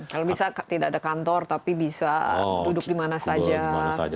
kalau bisa tidak ada kantor tapi bisa duduk dimana saja